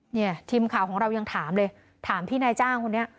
เนี่ยทีมข่าวของเรายังถามเลยถามพี่นายจ้างคนนี้